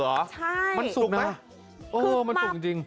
ใช่มันสุกไหมมันสุกจริง